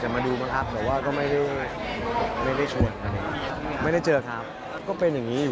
ไม่ได้เจอนะครับ